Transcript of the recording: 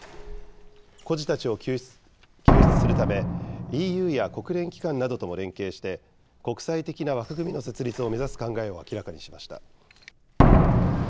孤児たちを救出するため、ＥＵや国連機関などとも連携して、国際的な枠組みの設立を目指す考えを明らかにしました。